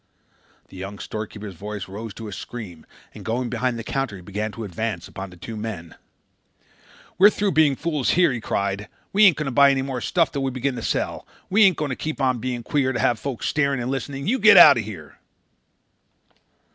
The young storekeeper's voice rose to a scream and going behind the counter he began to advance upon the two men. "We're through being fools here!" he cried. "We ain't going to buy any more stuff until we begin to sell. We ain't going to keep on being queer and have folks staring and listening. You get out of here!"